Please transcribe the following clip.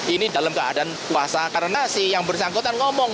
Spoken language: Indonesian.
ini dalam keadaan puasa karena si yang bersangkutan ngomong